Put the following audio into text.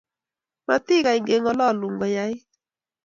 Matikany keng'olonun ko yait